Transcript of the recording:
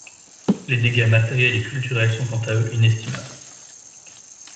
Les dégâts matériels et culturels sont quant à eux inestimables.